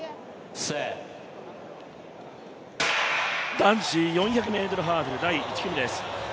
男子４００ｍハードル第１組です。